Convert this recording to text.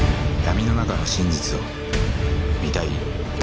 闇の中の真実を見たい？